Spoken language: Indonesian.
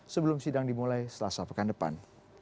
sebelum sidang dimulai selasa pekan depan